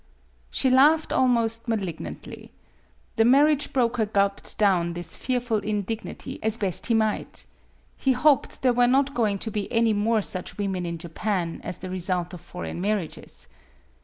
She laughed almost malignantly. The marriage broker gulped down this fearful indignity as best he might. He hoped there were not going to be any more such women in Japan as the result of foreign marriages.